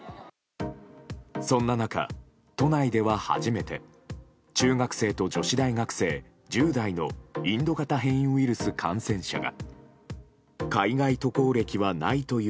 そんな中、都内では初めて中学生と女子大学生、１０代のインド型変異ウイルス感染者が。